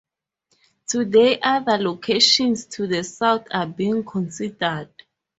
Today other locations to the south are being considered.